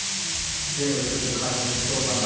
ゲーム作ってる会社の社長さんが？